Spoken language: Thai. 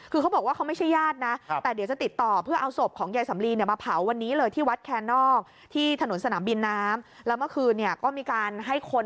คือเขาบอกว่าเขาไม่ใช่ญาตินะ